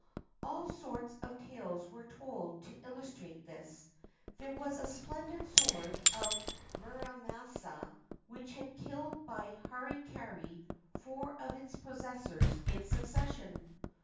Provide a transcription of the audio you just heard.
All sorts of tales were told to illustrate this. There was a splendid sword of Mura masa, which had killed by hara kiri four of its possessors in succession.